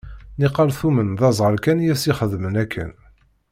Niqal tumen d azɣal kan i as-ixedmen akken.